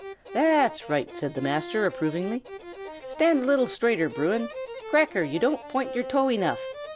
"That's right!" said the master, approvingly. "Stand a little straighter, Bruin! Cracker, you don't point your toe enough.